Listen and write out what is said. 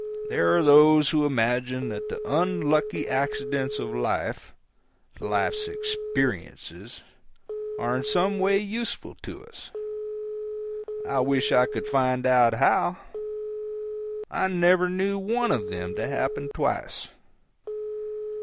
There are those who imagine that the unlucky accidents of life—life's "experiences"—are in some way useful to us. I wish I could find out how. I never knew one of them to happen twice.